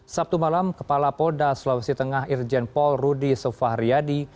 sabtu malam kepala polda sulawesi tengah irjen paul rudi sofahriyadi